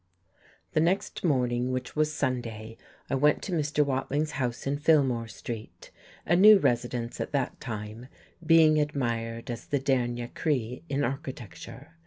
XI. The next morning, which was Sunday, I went to Mr. Watling's house in, Fillmore Street a new residence at that time, being admired as the dernier cri in architecture.